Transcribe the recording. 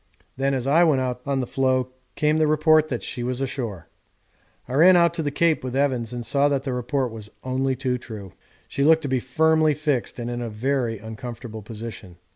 Then as I went out on the floe came the report that she was ashore. I ran out to the Cape with Evans and saw that the report was only too true. She looked to be firmly fixed and in a very uncomfortable position.